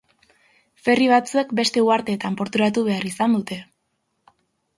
Ferry batzuek beste uharteetan porturatu behar izan dute.